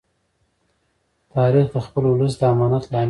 تاریخ د خپل ولس د امانت لامل دی.